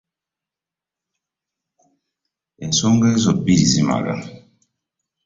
Ensonga ezo bbiri zimmala.